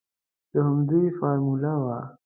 د همدوی فارموله وه.